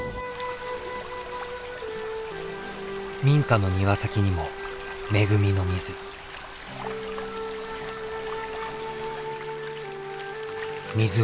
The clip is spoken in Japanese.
民家の庭先にも恵みの水。